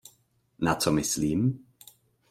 Na co myslím?